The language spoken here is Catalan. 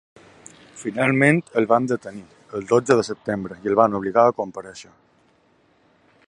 Finalment, el van detenir el dotze de setembre i el van obligar a comparèixer.